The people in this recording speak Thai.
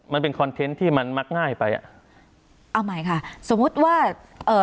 มันเป็นคอนเทนต์ที่มันมักง่ายไปอ่ะเอาใหม่ค่ะสมมุติว่าเอ่อ